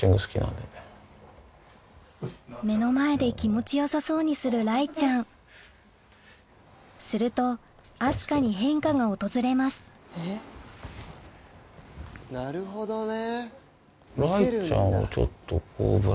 目の前で気持ちよさそうにする雷ちゃんすると明日香に変化が訪れますなるほどね。